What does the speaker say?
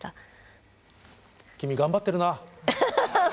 君頑張ってるな。